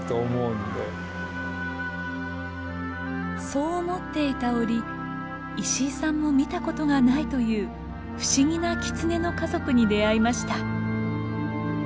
そう思っていた折石井さんも見たことがないという不思議なキツネの家族に出会いました。